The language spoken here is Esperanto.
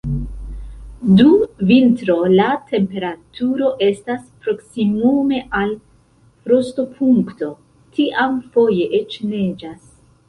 Dum vintro la temperaturo estas proksimume al frostopunkto, tiam foje eĉ neĝas.